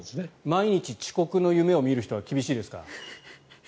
毎日遅刻の夢を見る人は厳しいですか？